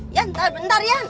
iyan bentar bentar iyan